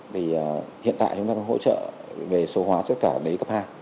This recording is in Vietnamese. thì hiện tại chúng ta hỗ trợ về số hóa tất cả đại lý cấp hai